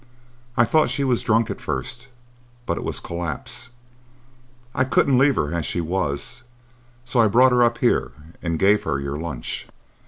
I thought she was drunk at first, but it was collapse. I couldn't leave her as she was, so I brought her up here and gave her your lunch.